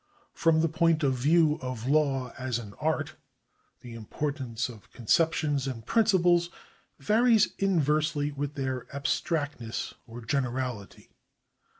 From the point of view of law as an art, the importance of conceptions and principles varies inversely with their abstractness or generality.